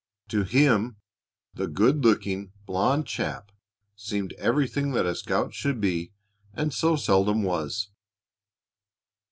To him, the good looking, blond chap seemed everything that a scout should be and so seldom was.